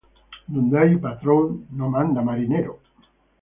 Donde hay patron, no manda marinero.